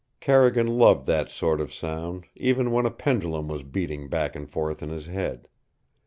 Carrigan loved that sort of sound, even when a pendulum was beating back and forth in his head.